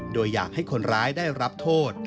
โดยอยากให้คนร้ายได้รับโทษ